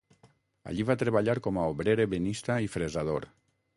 Allí va treballar com a obrer ebenista i fresador.